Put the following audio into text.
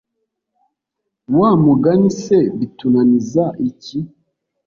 Wa mugani se bitunaniza iki